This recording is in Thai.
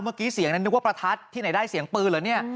เมื่อกี้เสียงนั้นนึกว่าประทัดที่ไหนได้เสียงปืนเหรอเนี่ย